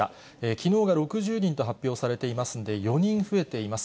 きのうが６０人と発表されていますので、４人増えています。